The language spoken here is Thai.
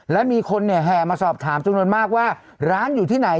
และมีคนเนี่ยแห่มาสอบถามจำนวนมากว่าร้านอยู่ที่ไหน